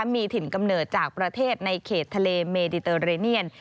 มีถิ่นกำเนิดจากประเทศในเขตทะเลเมดิเตอร์เรเนียน